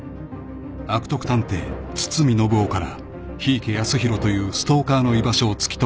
［悪徳探偵堤暢男から檜池泰弘というストーカーの居場所を突き止めた玲奈］